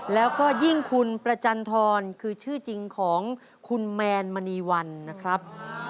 แล้วก็ยิ่งคุณประจันทรคือชื่อจริงของคุณแมนมณีวันนะครับ